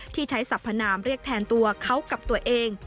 ที่ใช้สัพพนามเรียกแทนตัวเขากับตัวเอง